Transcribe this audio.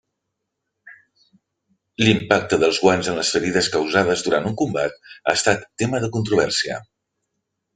L'impacte dels guants en les ferides causades durant un combat ha estat tema de controvèrsia.